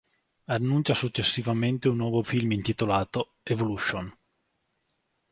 Annuncia successivamente un nuovo film intitolato "Evolution".